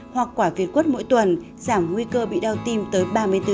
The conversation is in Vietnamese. hoặc quả việt quất mỗi tuần giảm nguy cơ bị đau tim tới ba mươi bốn